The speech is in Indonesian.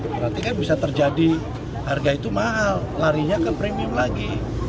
berarti kan bisa terjadi harga itu mahal larinya ke premium lagi